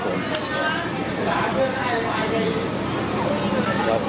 ตอน๓ที่๔ก็ปิดแล้วนะครับ